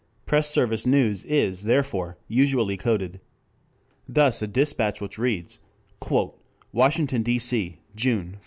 Press service news is, therefore, usually coded. Thus a dispatch which reads, "Washington, D. C. June I.